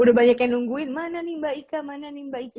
udah banyak yang nungguin mana nih mbak ika mana nih mbak ika